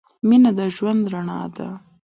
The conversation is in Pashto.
مینه د ژوند رڼا ده.